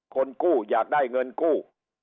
คนกู้อยากได้เงินกู้